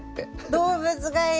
動物がいる。